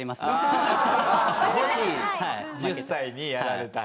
もし１０歳にやられたら。